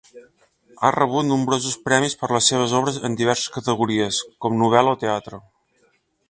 Ha rebut nombrosos premis per les seves obres en diverses categories, com novel·la o teatre.